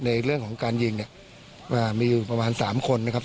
ในเรื่องของการยิงเนี่ยมีอยู่ประมาณ๓คนนะครับ